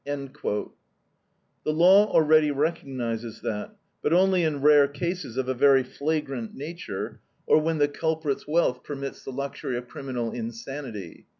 " The law already recognizes that, but only in rare cases of a very flagrant nature, or when the culprit's wealth permits the luxury of criminal insanity.